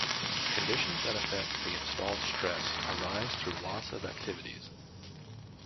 Conditions that affect the installed stress arise through lots of activities.